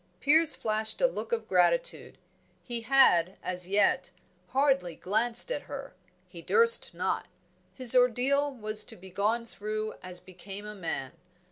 Piers flashed a look of gratitude. He had, as yet, hardly glanced at her; he durst not; his ordeal was to be gone through as became a man.